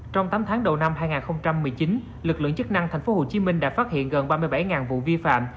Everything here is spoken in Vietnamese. trong tám tháng đầu năm hai nghìn một mươi chín lực lượng chức năng tp hcm đã phát hiện gần ba mươi bảy vụ vi phạm